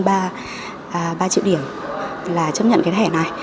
ba triệu điểm là chấp nhận cái thẻ này